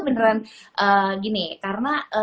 beneran gini karena